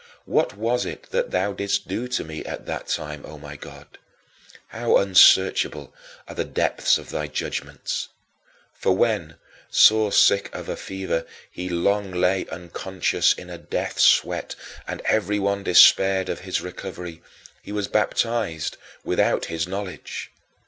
What was it that thou didst do at that time, O my God; how unsearchable are the depths of thy judgments! For when, sore sick of a fever, he long lay unconscious in a death sweat and everyone despaired of his recovery, he was baptized without his knowledge.